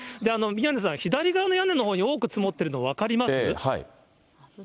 宮根さん、左側の屋根のほう、よく積もってるの、分かります？